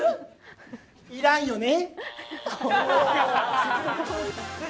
要らんよね！